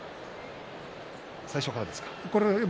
最初からですか？